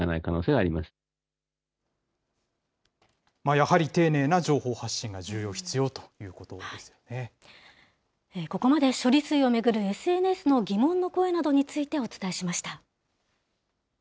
やはり丁寧な情報発信が重要、ここまで処理水を巡るＳＮＳの疑問の声などについてお伝えしました。